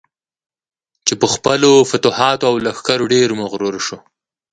چې پر خپلو فتوحاتو او لښکرو ډېر مغرور شو.